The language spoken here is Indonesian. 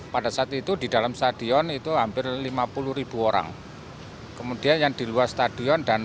pada saat itu di dalam stadion itu hampir lima puluh orang kemudian yang di luar stadion